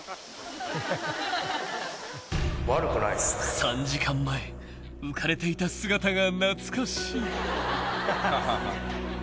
［３時間前浮かれていた姿が懐かしい］